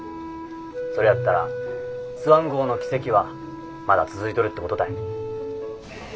それやったらスワン号の奇跡はまだ続いとるってことたい。